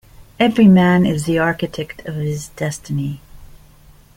Every man is the architect of his destiny.